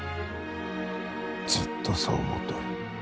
ずっと、そう思っておる。